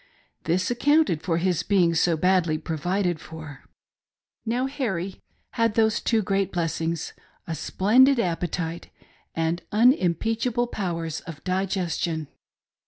This accounted for his being so badly provided for. Now, Harry had those two great blessings — a splendid appetite and unimpeachable powers of digestion.